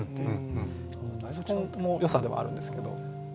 そこもよさではあるんですけど。